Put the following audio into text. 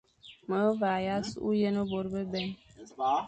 Me vagha sughé yen bô bebè.